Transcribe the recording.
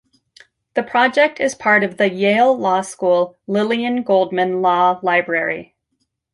The project is part of the Yale Law School Lillian Goldman Law Library.